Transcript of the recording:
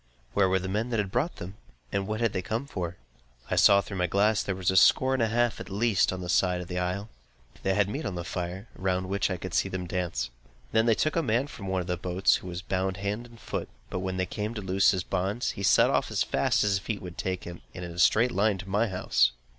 Where were the men who had brought them? And what had they come for? I saw through my glass that there were a score and a half, at least, on the east side of the isle. They had meat on the fire, round which I could see them dance. They then took a man from one of the boats, who was bound hand and foot; but when they came to loose his bonds, he set off as fast as his feet would take him, and in a straight line to my house.